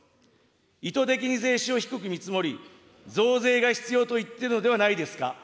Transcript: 意図的に税収を低く見積もり、増税が必要と言っているのではないですか。